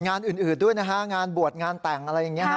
งานอื่นด้วยนะฮะงานบวชงานแต่งอะไรอย่างนี้ฮะ